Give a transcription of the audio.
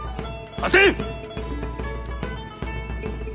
貸せ！